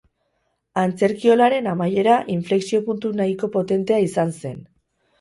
Antzerkiolaren amaiera inflexio-puntu nahiko potentea izan zen.